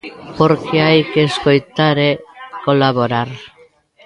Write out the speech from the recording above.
Porque hai que escoitar e colaborar.